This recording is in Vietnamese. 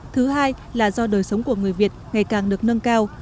thứ hai là do đời sống của người việt ngày càng được nâng cao